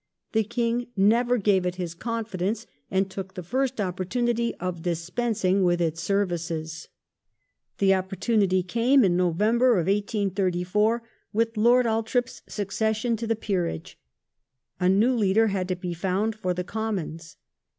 The King never gave it his confidence, and took the first opportunity of dispensing with its services. The opportunity came in November, 1834, with Lord Althorp's succession to the Peerage. A new leader had to be found for the Commons.